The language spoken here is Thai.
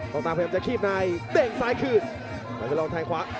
ต้องตามพยายามจะขีบในเด้งซ้ายคืนอยากจะลองแทงขวา